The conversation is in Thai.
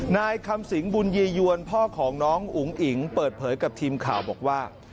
นายคำสิงบุญยียวนพ่อของน้องอุ๋งอิ๋งเปิดเผยกับทีมข่าวบอกว่า